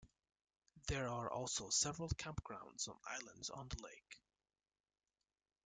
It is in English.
There are also several campgrounds on islands on the lake.